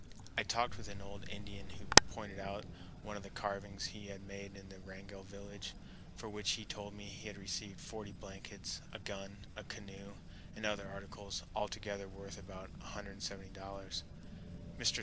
I talked with an old Indian who pointed out one of the carvings he had made in the Wrangell village, for which he told me he had received forty blankets, a gun, a canoe, and other articles, all together worth about $170. Mr.